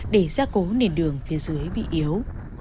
để gia cố nền đường phía dưới bị yếu